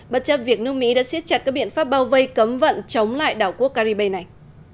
bất chấp việc nước mỹ đã siết chặt các biện pháp bao vây cấm vận chống lại đảo quốc caribe này